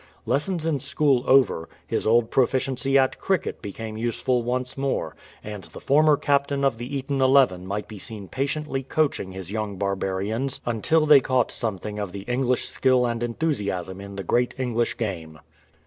Lessons in school over, his old proficiency at cricket became useful once more, and the former captain of the Eton Eleven might be seen patiently coaching his young barbarians, until they caught something of the English skill and enthusiasm in the great English game.